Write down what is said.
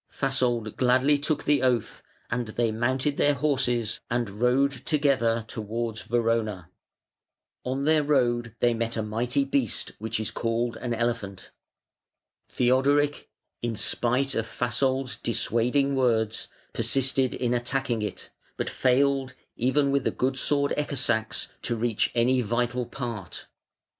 Fasold gladly took the oath, and they mounted their horses and rode together towards Verona. [Footnote 164: Coward, good for nothing man.] On their road they met a mighty beast which is called an elephant. Theodoric, in spite of Fasold's dissuading words, persisted in attacking it, but failed, even with the good sword Ecke sax, to reach any vital part.